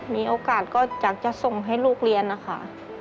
มีโอกาสก็อยากจะส่งให้ลูกเรียนนะคะ